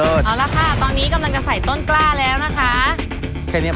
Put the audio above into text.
เอาละค่ะตอนนี้กำลังจะใส่ต้นกล้าแล้วนะคะ